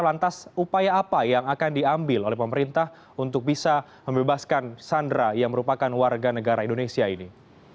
lantas upaya apa yang akan diambil oleh pemerintah untuk bisa membebaskan sandra yang merupakan warga negara indonesia ini